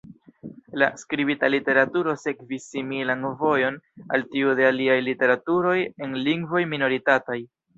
La skribita literaturo sekvis similan vojon al tiu de aliaj literaturoj en lingvoj minoritataj.